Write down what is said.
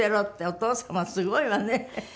お父様すごいわね。